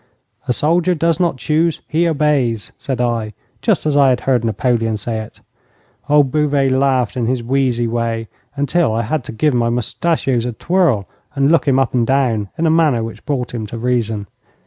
'A soldier does not choose he obeys,' said I, just as I had heard Napoleon say it. Old Bouvet laughed in his wheezy way, until I had to give my moustachios a twirl and look him up and down in a manner which brought him to reason.